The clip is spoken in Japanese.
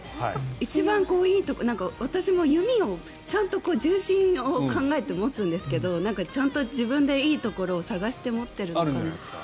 一番いいところ私も弓を、ちゃんと重心を考えて持つんですがちゃんと自分でいいところを探して持っているのか。